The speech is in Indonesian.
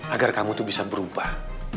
agar kamu itu bisa berubah